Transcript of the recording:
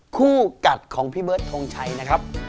คู่กัดของพี่เบิร์ดทงชัยนะครับ